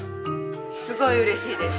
すごい嬉しいです。